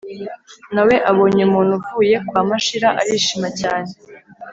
na we abonye umuntu uvuye kwa mashira arishima cyane,